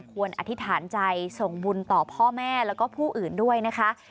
อธิษฐานใจส่งบุญต่อพ่อแม่แล้วก็ผู้อื่นด้วยนะคะ